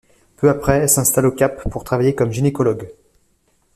Peu après, elle s'installe au Cap pour travailler comme gynécologue.